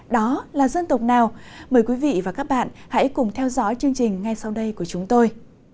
đó là dân tộc nào mời quý vị và các bạn hãy cùng theo dõi chương trình ngay sau đây của chúng tôi